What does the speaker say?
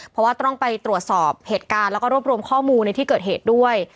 เพราะว่าต้องไปตรวจสอบเหตุการณ์แล้วก็รวบรวมข้อมูลในที่เกิดเหตุด้วย